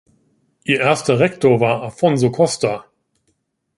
Ihr erster Rektor war Afonso Costa.